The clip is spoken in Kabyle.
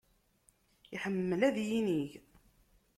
Iḥemmel ad yinig.